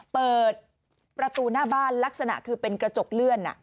เปิดประตูหน้าบ้านลักษณะคือเป็นกระจกเลื่อน